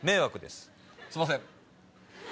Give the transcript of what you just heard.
すいません！